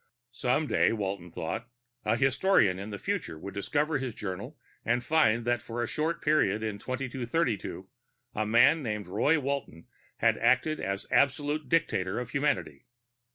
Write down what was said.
Some day, Walton thought, a historian of the future would discover his journal and find that for a short period in 2232 a man named Roy Walton had acted as absolute dictator of humanity.